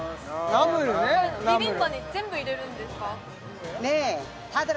ナムルビビンパに全部入れるんですか？